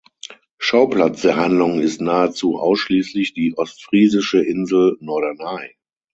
Schauplatz der Handlung ist nahezu ausschließlich die ostfriesische Insel Norderney.